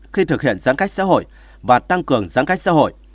khi thực hiện giãn cách xã hội và tăng cường giãn cách xã hội